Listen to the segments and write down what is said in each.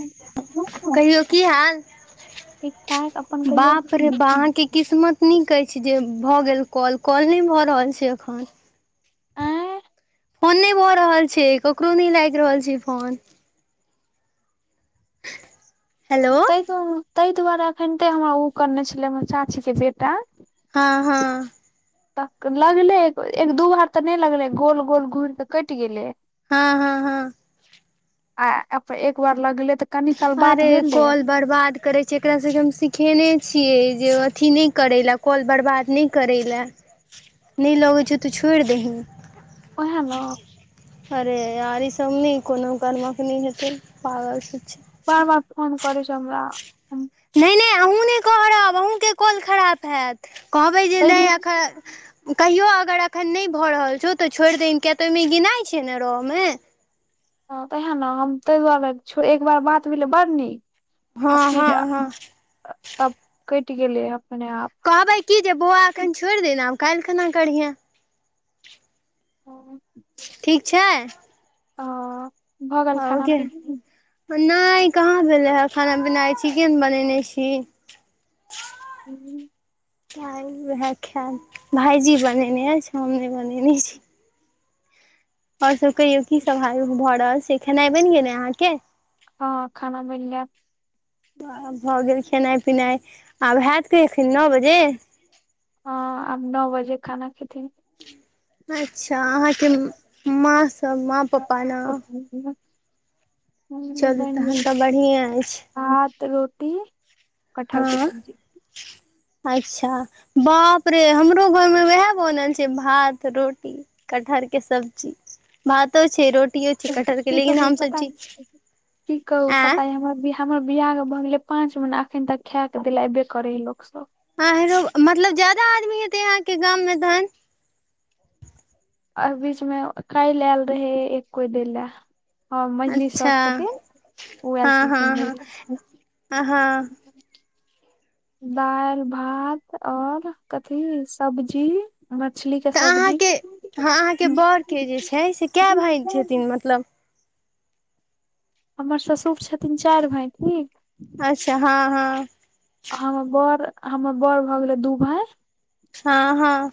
ठीक कहियौ की हाल ठीक ठाक, अपन कहियौ। अहाँ के किस्मत नीक अछि जे भऽ गेल कॉल कॉल नहि भऽ रहल छै एखन। आँय फोन नहि भऽ रहल छै ककरो नहि लागि रहल छै फोन। हेलो ताहि ताहि दुआारे एखनिते हमरा ओ करने छले हमर चाची के बेटा। हँ हँ। त लगले एक दू बार तऽ नहि लगलै गोल गोल घूइर कऽ कटि गेलै। हँ हँ हँ। आ अप एक बार लगले तऽ कनी काल बात अरे भेलै कॉल बर्बाद करै। जेकरा सब के हम सिखेने छियै जे अथी नहि करै लए कॉल बर्बाद नहि करै लए। नहि लगै छौ तऽ छोड़ि दही। औहे न। अरे यार ई सब नहि कोनो करम क नहि हेतै पागल सब छै। बार बार फोन करै छै हमरा। हम नहि नहि अहूँ नहि करब अहूँ के कॉल खराब हैत कहबै जे ताहि नहि दुआरे एखन। कहियो अगर अखन नहि भऽ रहल छौ तऽ छोड़ि दहिन किया तऽ ओहिमे गिनाइ छै ने रहऽ मे। हँ त औहे न हम ताहि दुआरे छोड़ एक बार बात भेलै बड नीक आ हँ फेर। हँ हँ तब कइट गेले अपने आप। कहबै की जे बौआ एखन छोड़ि दही आब काल्हि खना करिहे। ओ। ठीक छै। भऽ गेल खाना पीना [unintelligible] नहि कहाँ भेलै हे खाना पीना आई चिकेन बनेने छी। हूं हूं। आई वएह खायत भाई जी बनेने अछि हम नहि बनेने छी। आओर सब कहियो की सभऽ आयोग भ रहल छै खेनाइ बनि गेल अहाँ के। हं खाना बनि गैल। भऽ गेल खेनाइ पिनाइ आब हैत की एखन नौ बजे। हँ आब नौ बजे खाना खेथिन। अच्छा अहाँ के माँ सब माँ। पप्पा ने [inaudible] चलू बनि तहन गेल तऽ बढ़िएँ अछि। भात रोटी। कटहल के हँ। सब्जी अच्छा बाप रे हमरो घरमे उएह बनल छै भात रोटी। कटहर के सब्जी भातो छै रोट। की कहू पता की कहु आँय पता या हमर वियाह। हमर बियाह के भऽ गेलै पाँंच महिना अखन तक खायक देले ऐबे करेहे लोक सब। आहरो मतलब ज्यादा आदमी हेतै अहाँके गाम मे तहन। आओर बीच मे काल्हि आयल रहे एक कोइ दैले। हँ मैझली अच्छा सौस छथिन ओ आयल हँ छलखिन हँ दैले। हँ हँ दालि भात आओर कथी सब्जी। मछली के। तऽ अहाँ सब्जी के हँ अहाँ के बड़के जे छै से कए भाइ छथिन मतलब। हमर ससुर छथिन चारि भाई ठीक। अच्छा हँ हँ। हमर बड़ हमर बड़ भऽ गेलै दू भाई। हँ हँ।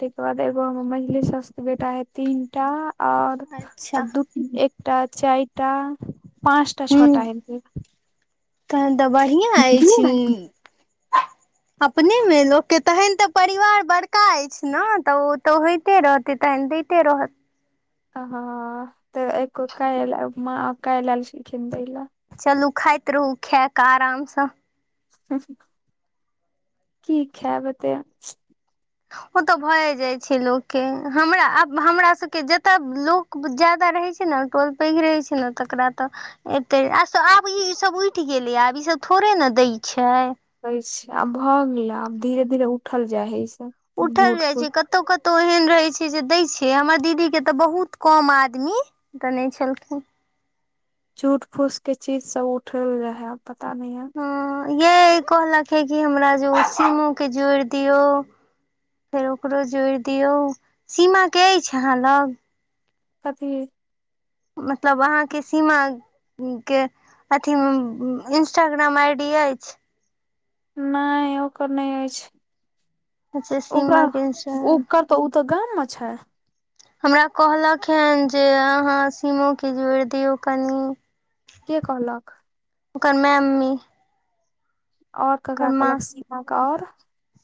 ताहिके बाद एगो हमर मैझली सौसके बेटा हय तीनटा आऔर अच्छा दू। एकटा चारिटा पाँचटा हूँ छटा हेते। तहन तऽ बढ़िआं अछि हीं। [inaudible] अपनेमे लोकके तहन तऽ परिवार बड़का अछि न तऽ ओ तऽ होइते रहतै तहन। तेरहत। ह तऽ एक काल्हि अं मां काल्हि आयल छलखिन दयले। चलू खाइत रहू खैकऽ आरामसँ। हुं हुं की खैब एते। ओ तऽ भए जाइ छै लोकके हमरा आ हमरा सभके जतय लोक। ज्यादा रहै छै न टोल पैघ रहै छै ने तकरा तऽ। एते आ आब ई ई सब उठि गेलैया आब ईसभ थोड़े न दै छै। कहैछै आब भऽ गेलै आब धीरे धीरे उठल जाइ हय ई सब। उठल झूठ जाइ फूस छै कत। कतौ कतौ एहन रहै छै जे दै छै हमर दीदी के तऽ बहुत कम आदमी। दने छलखिन। झुट फूसके के चीज सब उठल रहे पता नई है। हं हं यए कहलक हे कि हमरा जे सिमो के जोड़ दियौ। फेर ओकरो जोड़ि दियौ सीमाके अइछ अहाँ लग। कथी। मतलब अहाँके सीमा। के अथी मे इंस्टाग्राम आईडी अइछ। नहि ओकर नहि अइछ अच्छा ओकरा सीमा के उ इंस्टाग्राम कर। तऽ ओ तऽ गाम मे छै। हमरा कहलक हेँ जे अहाँ सीमो के जोड़ दियौ कनि। के कहलक। ओकर मैम्मी। और ककरा कहलक सीमा के और।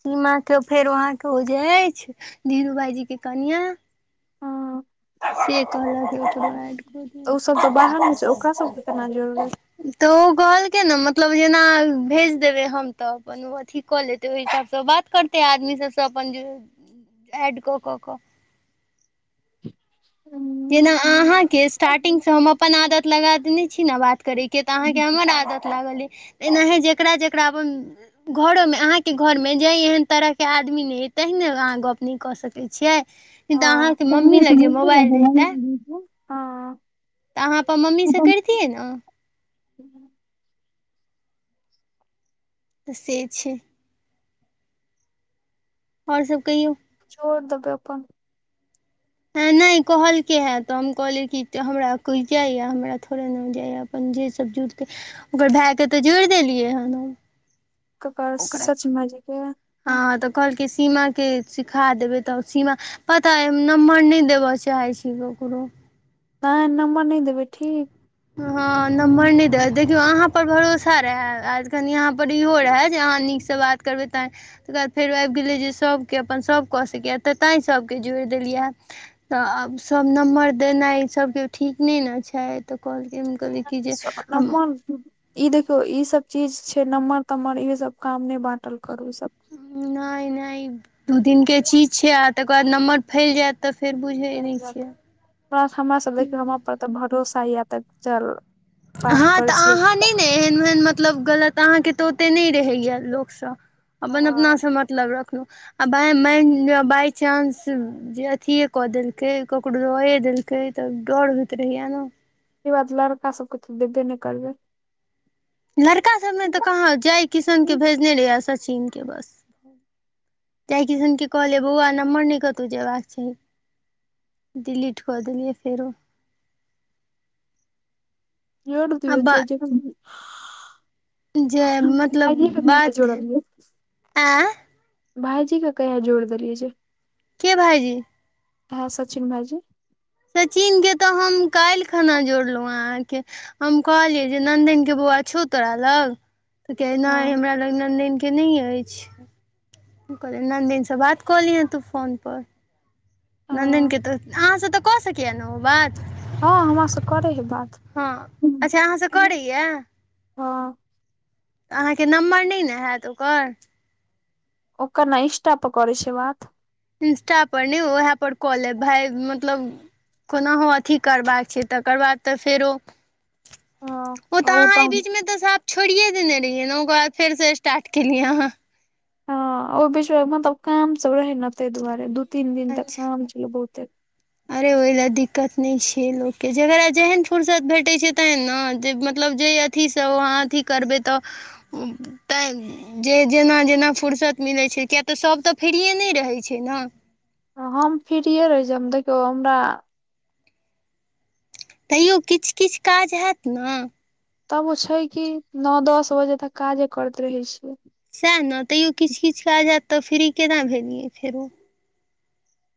सीमा के फेरो आहाँके ओजे एछ धीरू भाइजी के कनिआ। हँ से कहलक ओकरो एड क दिओ। तऽ ओ सब तऽ बाहर मे छै ओकरा सबके केना जोड़बै तऽ ओ कहलकै न मतलब जेना भेज देबै हम तऽ अपन। अपन ओ अथी कऽ लेतै ओहि हिसाबसँ बात करतै आदमी सबसे अपन जे एड कऽ कऽ कऽ। जेना हँ अहा के स्टार्टिंग से हम अपन आदत लगा देने छी न बात करय के। के तऽ अहाँके हमर आदत लागल अइ एनाहे जेकरा जेकरा अपन। घरोमे अहाँके घरमे ज एहन तरहके आदमी नय अइ तेहि ने अहाँ गप्प नय कऽ सकै छियै। किन त अहा के मम्मी लग जे मोबाइल रह। हं। तऽ अहाँ अपन मम्मीसँ करतियै न। तऽ से छै। और सब कहियौ। छोड़ देबै अपन। ह नय कहलके हे तऽ हम कहलिए कि जे हमरा कही जाया हमरा थोड़े ने जाया। अपन जे सब जुटतै ओकर भैय के तऽ जोईड़ देलियै हन हम। ककर सच मे भायजी के हँ तऽ कहलकै सीमा के सिखा देबै तऽ सीमा पता अइ हम नम्बर नै देबय चाहै छी ककरो। आहां ई नम्बर नय देबै ठीक। हँ नम्बर नय दै देखियौ अहाँ पर भरोसा रहै आ कनि अहाँ पर इहो रहै जे अहाँ नीकस बात करबै तैं तकर बाद फेरो आबि गेलै जे सभके अपन सभ कऽ सकैए तऽ तैं सभके जोड़ि देलियै। तऽ आब सभ नम्बर देनाइ सब के ठीक नय ने छै। तऽ कहलखिन हम कहलियै [unintelligible] कि जे हम ई देखियौ ई सब चीज छै नम्मर तम्मर इहे सब काम नय बांटल करू सब नय नय दू दिन के चीज छै आ तकर बाद नम्बर फैल जायत तऽ फेर बुझै नय छियै ओकरा बाद हमरा सब लग हमरा पर तऽ भरोसा यै त चल बात हँ करै तऽ छी अहाँ नै ने एहन ओहन मतलब गलत अहाँके तऽ ओते नय रहैयै लोकस अपन हँ अपनास मतलब रखलौं आ बाइ माइन लिय बायचांस जे अथीेये क देलकै ककरो दए देलकै त डर होइत रहैये न। ई बात लड़का सब के त देबे नय करबै। लड़का सबमे तऽ कहाँ जय किशन के भेजने रहियै आ सचिन के बस। जयकिशन के कहलियै बौआ नम्बर नय कतौ जेबाक चाही। डिलीट कऽ देलियै फेरो। आ [unintelligible] जय मतलब भाईजी के कहिया बात एं भायजी के कहिया जोइर देलियै जे के भाइजी? ओहै सचिन भाइजी। सचिन के तऽ हम काइल खना जोड़लौ हैं अहाँके हम कहलियै जे नन्देन के बौआ छौ तोरा लग। तऽ कहैयै नै हँ हमरा लग नन्देन के नय ऐइछ। हम कहलियै नन्दैन से बात कऽ लिहैं तू फोनपर। हँ नन्दनके तऽ अहाँस तऽ कऽ सकैयै ने ओ बात? हँ हमरास करै हइ बात हँ अच्छा अहाँसँ हँ। करैए तऽ अहाँके नम्बर नै ने हैत ओकर। ओकर नै इंष्टा प करै छै बात। इन्स्टा पर नहि ओहै पर क लेब भाय मतलब कोनाहु अथी करबाक छै तकर बाद तऽ फेरो ओ तऽ अहाँ अइ बीचमे तऽ सब छोड़िये देने रहियै ने ओकर बाद फेर से स्टार्ट केलियै अहाँ। हँ ओइ बीच में मतलब काम सब रहै ने तइ दुआरे दू तीन दिन तक अच्छा काम छलै बहुते अरे ओइ लै दिक्कत नहि छै लोकके जेकरा जेहन फुर्सत भेटै छै तेहन न जे मतलब जे अथीस अहाँ अथी करबै तऽ तैं जे जेना जेना फुर्सत मिलै छै किया तऽ सभ तऽ फ्रिए नहि रहै छै न। हम फ्रीए रहै छी हम देखियौ हमरा तैयो किछ किछ काज हैत न तब ओ छै कि, नऽ -दस बजे तक काजे करैत रहै छियै। सैह न तयो किछ- किछ काज ऐत तऽ, फ्री केना भेलियै फेरो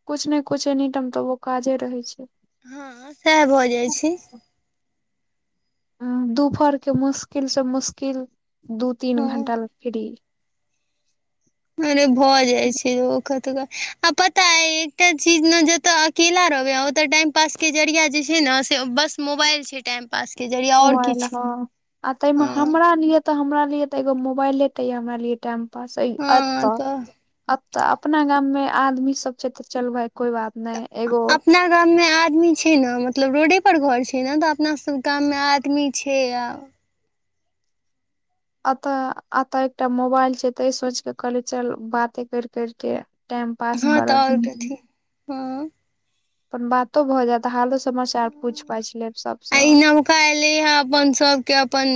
कुछ न कुछ एनी टाइम तबो काजे रहै छै। हँऽ सैह भऽ जाइ छै। हुं दुपहर के मुश्किल स मुश्किल दू तीन हँ घंटा ले फ्री। अर भऽ जाइ छै, ओ कतुका आ पता अय एकटा चीज न जत आ केला रहबे, ओत टाइम पास के जरिया जे छै न, से बस मोबाइल छै टाइम पास के जरिया आओर मोबाइल किछु नहि हँ आ तय में हँ हमरा लिए तऽ हमरा लिए तऽ एगो मोबाइल ता अय, हमरा लिए टाइम पास हँ अतऽ तऽ अतऽ अपना गाम में आदमी सब छै तऽ, चल भै कोई बात नहि एगो अपना गाम में आदमी छै न, मतलब रोडे पर घर छै न, तऽ अपना सब गाम में आदमी छै आब अतऽ -अत एकटा मोबाइल छै तऽ, ई सोच क कहली चल बाते करि करि के टाइम पास हँ तऽ करब और कथी हँऽ अपन बातो भऽ जेत आ हालो समाचार पूछि- पाछ लेब सब आ स ई नवका एले हे अपन सब के अपन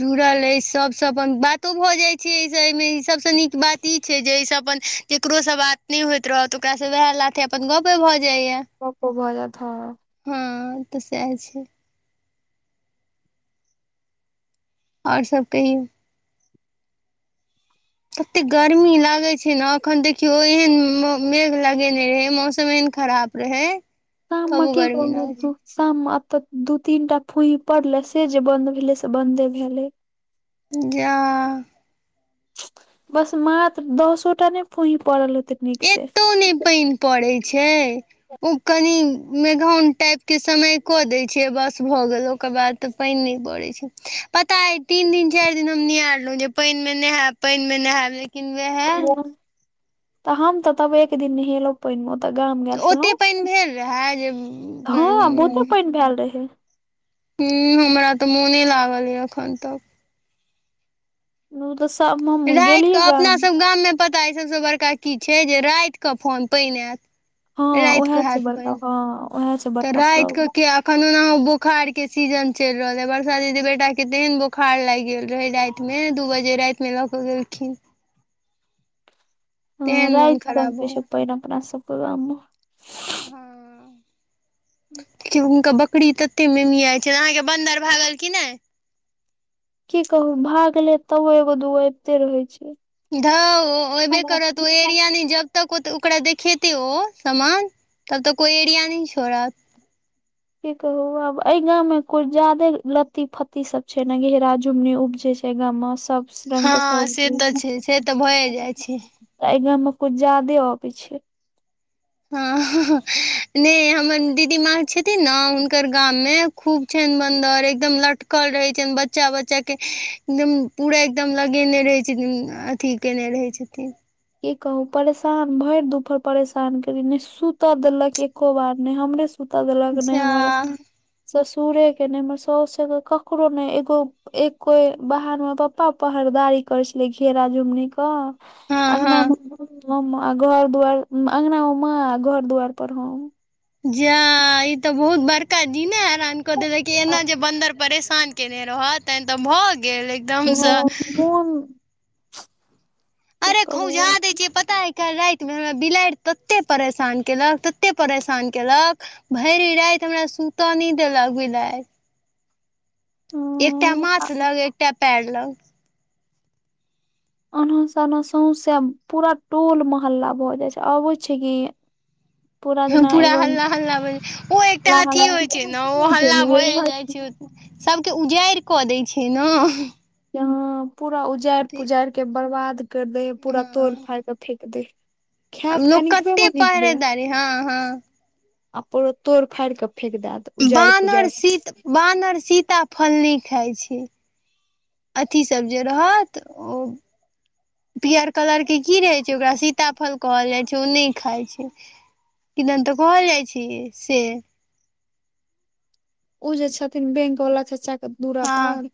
जुड़ल अछि, सबस अपन बातो भऽ जाय छय, एहि से एहि मे ई सबस नीक बात ई छै जे, एहिसँ अपन केकरो स बात नहि होइत रहत, ओकरा स वैह लाथे अपन गपे भऽ जायये। गपो भऽ जैथ हं। अंत सेह छै। और सब कहियो। कते गर्मी लागे छै न, अखन देखियो ऐहन मेघ लगेने रहे, मौसम ऐहन खराब रहै गाम मे की कहु ओतो शाम में अतऽ दू तीन टा फुहि पड़ले, से जे बंन्द भेले से बंदे भेलै। जाऽ बस मात्र दसो टा नहि फुही पड़ल हेतय। एतौ ने पानि परय छै। ओ कनि मेघौन टाइप के समय क देय छय, बस भऽ गेल ओकर बाद तऽ पानि नहि पड़ै छै, पता अय तीन दिन चारि दिन हम निआरलों, जे पानि मे नहेब पनि मे नेहब ले तऽ हम तऽ तबो एक दिन नेहेलों। पानि मे ओतऽ गाम गेल छलहुँ, ओते पानि भेल रहए जे पानि हँ बहुतो पानि भेल रहै। हुं हमरा तऽ मोने लागल अय अखन तक। [unintelligible] राति कऽ अपना सब गाम में पता अय सबस बड़का की छै, जे रात कऽ फोन पानि ऐत, रात कऽ हेत पानि। हं वैह सब राति क के आब एखन ओना हो बोखार के सीजन चलि रहल अय, बरसा दीदी बेटा के तेहन बोखार लागि गेल रहे राति मे दू बजे राति में लऽ कऽ गेलखिन। हँ तेहन मोन राति खराब हो क [unintelligible] अपना सब के गाम में हँ क्यों हुनका बकरी के तेते मेमयाइ छै, अहाँ के बन्दर भागल कि नय। की कहू भाग ले, तबो एगो दू गो अबिते रहै छै। धोअ ओ ऐबे करत ओ एरिया नय जब [unintelligible] तै ओकरा देखेतय ओ सामान तब तक ओ एरिया नै छोड़त की कहु आब ए गांव मे कुछ जादे लत्ती-फत्ती सब छै नै घेरा झुमनी उबजय छै। ऐ गाम मे सब स रंग के हँ से सब्जी तऽ छै से तऽ भए जाइ छै तै ए गाम में कुछ जादे अबय छै। हां नै हमर दीदी माँ छथिन नै हुनकर गाम मे खूब छैन बन्दर एकदम लटकल रहय छैन, बच्चा-बच्चा के एकदम पूरा एकदम लगैने रहय छथिन अथी केनय रहय छथिन। की कहू परेशान भैर दुपहर परेशान करय यै नै सुता देलक एको बार नै हमरे सुता देलक नै जा हमर ससुरे के नै हमर सोससे के ककरो नै एगो एक बेर बाहर मे पप्पा पहड़ेदारी करय छलै घेरा-झुमनी क हँ अंगना में हँ [inaudible] हम अ घर दुआर में अंगना मे मां घर-दुआर पर हम। जा ई तै बहुत बड़का जीनय हेरान क देलक यै एना जे बन्दर परेशान केने रहत तहेन तऽ भऽ गेल एकदम से मोन की अरे कहू खोझाह आब दै छियै पता तै काएल राएत मे हमरा बिलैड़ तत्ते परेशान कैलक तत्ते परेशान केलक भैर राएत हमरा सुता नै देलक बिलाय। एकटा माथ हँ लग, एकटा पैर लग। अनाह सनाह सोसे पूरा टोल मोहल्ला भऽ जाय छै आबय छै की कोनो आवाज नय हां पूरा हल्ला-हल्ला भऽ जाए ओ एकटा अथी होय छै नै ओ होइ छै हल्ला ने भ ऐ जाए छै। सबके उजैर कऽ दै छै नै। यहाँ पूरा उजाएर पुजाएर के बर्बाद कैर दै यै पूरा तोड़-फाड़ के फेेक दे आब खायत लोक कनिकबे कत्ते मनिकबे पहरेदारी हां-हां। आ पुरा तोड़-फाड़ के फेक देएत बानर सीत, बानर सीता फल नै खाय छै। अथी सब जे रहत ओ पियर कलर के की रहय छै ओकरा सीताफल कहल जाए छै ओ नै खाए छै। कि दन तै कहल जाए छै से उ जे छथिन बैंक बला चाचा के दूरा हँ पर